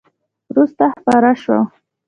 وروسته خپره شوه !